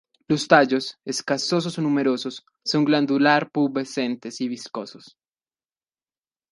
Los tallos, escasos o numeroso, son glandular-pubescentes y viscosos.